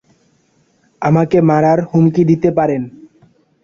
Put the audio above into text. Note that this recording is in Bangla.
আমাকে মারার হুমকি দিতে পারেন।